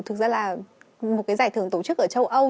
thực ra là một cái giải thưởng tổ chức ở châu âu